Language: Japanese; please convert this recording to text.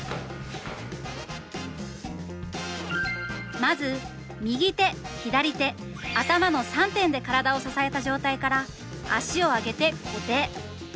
まず右手左手頭の３点で体を支えた状態から足を上げて固定。